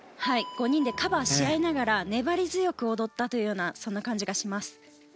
５人でカバーし合いながら粘り強く踊ったというようなそんな感じがします。